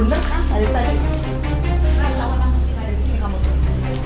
kenapa lama lama masih gak ada di sini kamu tuh